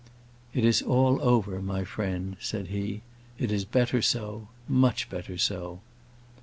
"It is all over, my friend," said he. "It is better so; much better so."